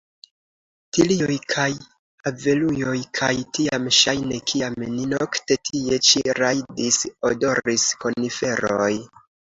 Tilioj kaj avelujoj, kaj tiam ŝajne, kiam ni nokte tie ĉi rajdis, odoris koniferoj.